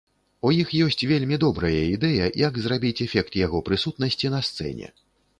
У іх ёсць вельмі добрая ідэя, як зрабіць эфект яго прысутнасці на сцэне.